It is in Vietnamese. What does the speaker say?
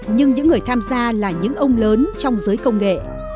nhưng những người tham gia là những ông lớn trong giới công nghệ